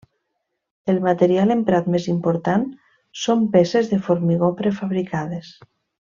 El material emprat més important són peces de formigó prefabricades.